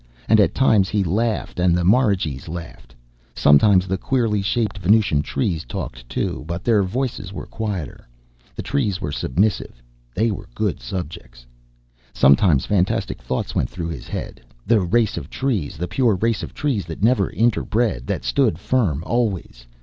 And at times he laughed, and the marigees laughed. Sometimes, the queerly shaped Venusian trees talked too, but their voices were quieter. The trees were submissive, they were good subjects. Sometimes, fantastic thoughts went through his head. The race of trees, the pure race of trees that never interbred, that stood firm always.